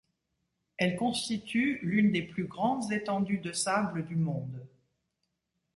Elle constitue l’une des plus grandes étendues de sable du monde.